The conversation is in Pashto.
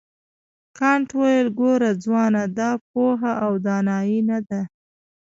کانت وویل ګوره ځوانه دا پوهه او دانایي نه ده.